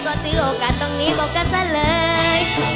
ก็ถือโอกาสตรงนี้บอกกันซะเลย